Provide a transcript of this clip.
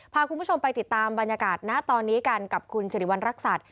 พาคุณผู้ชมไปติดตามบรรยากาศนะตอนนี้กันกับคุณสิริวัณรักษัตริย